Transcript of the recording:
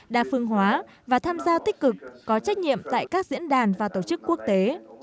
đa phương hóa và tham gia tích cực có trách nhiệm tại các diễn đàn và tổ chức quốc tế